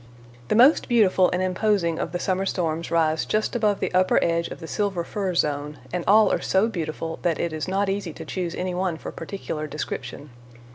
] The most beautiful and imposing of the summer storms rise just above the upper edge of the Silver Fir zone, and all are so beautiful that it is not easy to choose any one for particular description.